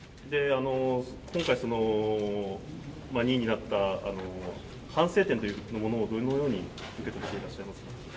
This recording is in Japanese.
今回、２位になった反省点をどのように受け止めていらっしゃいますか。